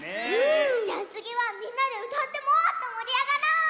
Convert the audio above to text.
じゃあつぎはみんなでうたってもっともりあがろう！